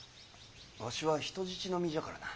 わしは人質の身じゃからな。